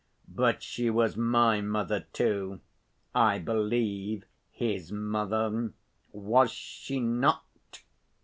"But she was my mother, too, I believe, his mother. Was she not?"